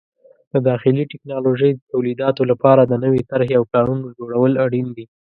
د داخلي ټکنالوژۍ د تولیداتو لپاره د نوې طرحې او پلانونو جوړول اړین دي.